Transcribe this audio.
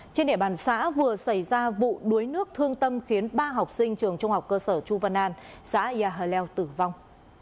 trên địa bàn xã vừa xảy ra vụ đuối nước thương tâm khiến ba học sinh trường trung học cơ sở chu văn an xã yà leo tử vong